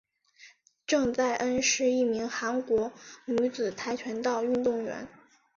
郑在恩是一名韩国女子跆拳道运动员。